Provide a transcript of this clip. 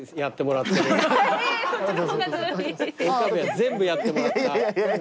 全部やってもらった。